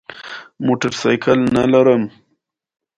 په کوټه کې اته کرسۍ پرتې دي.